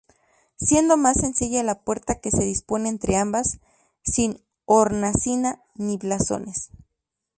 Siendo más sencilla la puerta que se dispone entre ambas, sin hornacina ni blasones.